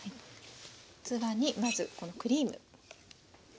器にまずこのクリーム。